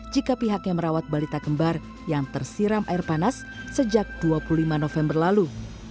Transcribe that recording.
jika pihaknya merawat balita kembar yang tersiram air panas sejak dua puluh lima november lalu